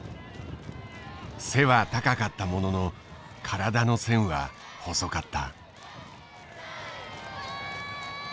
背は高かったものの体の線は細かった。